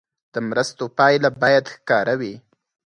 د مرستو پایله باید ښکاره وي.